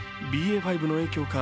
ＢＡ．５の影響か